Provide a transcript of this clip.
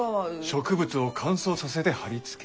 植物を乾燥させて貼り付ける。